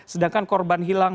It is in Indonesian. sedangkan korban hilang